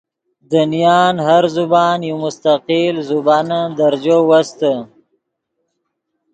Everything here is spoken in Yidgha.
دنیان ہر زبان یو مستقل زبانن درجو وستے